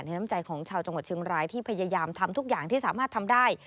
น้ำใจของชาวจังหวัดเชียงรายที่พยายามทำทุกอย่างที่สามารถทำได้